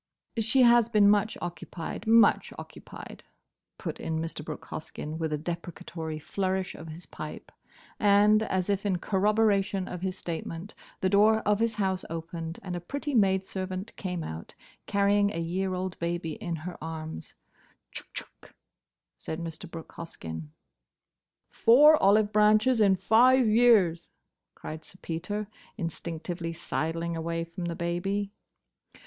"She has been much occupied—much occupied," put in Mr. Brooke Hoskyn, with a deprecatory flourish of his pipe. And, as if in corroboration of his statement, the door of his house opened and a pretty maidservant came out, carrying a year old baby in her arms. "Chck! chck!" said Mr. Brooke Hoskyn. "Four olive branches in five years!" cried Sir Peter, instinctively sidling away from the baby.